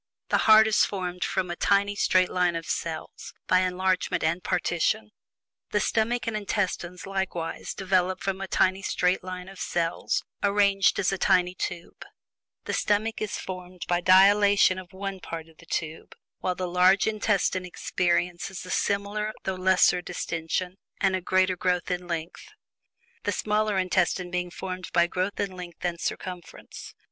The heart is formed from a tiny straight line of cells, by enlargement and partition. The stomach and intestines, likewise, develop from a tiny straight line of cells arranged as a tiny tube the stomach is formed by dilation of one part of the tube, while the large intestine experiences a similar though lesser distention and a greater growth in length; the smaller intestines being formed by growth in length and circumference.